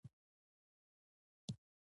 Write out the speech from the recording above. پښتون په خر منډې وهې چې ما دې نه لټوي.